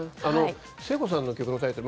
聖子さんの曲のタイトル